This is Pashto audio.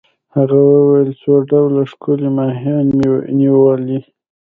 هغه وویل: څو ډوله ښکلي ماهیان مي نیولي.